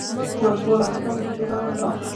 وږمو لاسونه تر خپل ځان راتاو کړل